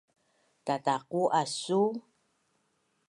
Tataqu asu’u?